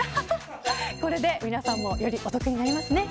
これで皆さんもよりお得になりますね。